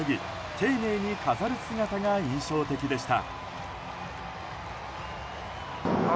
丁寧に飾る姿が印象的でした。